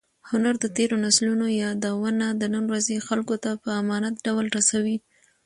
هنر د تېرو نسلونو یادونه د نن ورځې خلکو ته په امانت ډول رسوي.